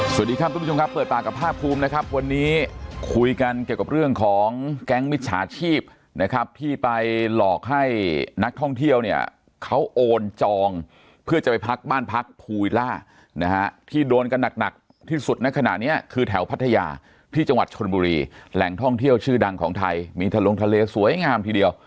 สวัสดีครับทุกผู้ชมครับเปิดปากกับภาคภูมินะครับวันนี้คุยกันเกี่ยวกับเรื่องของแก๊งมิจฉาชีพนะครับที่ไปหลอกให้นักท่องเที่ยวเนี่ยเขาโอนจองเพื่อจะไปพักบ้านพักภูวิล่านะฮะที่โดนกันหนักที่สุดในขณะเนี้ยคือแถวพัทยาที่จังหวัดชนบุรีแหล่งท่องเที่ยวชื่อดังของไทยมีทะลงทะเลสวยงามทีเดียว